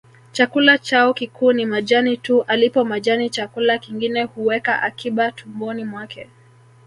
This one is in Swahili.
Chakula chao kikuu ni majani tu alipo majani chakula kingine huweka akiba tumboni mwake